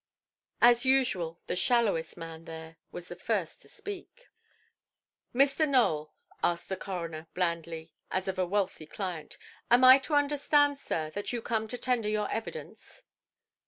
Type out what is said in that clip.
As usual, the shallowest man there was the first to speak. "Mr. Nowell", asked the coroner, blandly, as of a wealthy client, "am I to understand, sir, that you come to tender your evidence"?